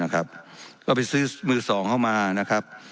ก็ไปซื้อมือสองเข้ามา